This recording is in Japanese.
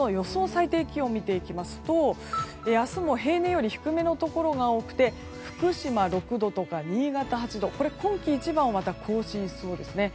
最低気温を見ていきますと明日も平年より低めのところが多くて福島６度とか新潟８度今季一番を更新しそうです。